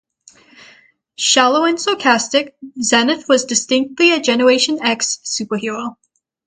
Shallow and sarcastic, Zenith was a distinctly Generation X superhero.